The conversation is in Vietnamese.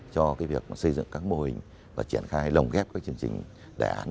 cho việc xây dựng các mô hình và triển khai lồng ghép các chương trình đề án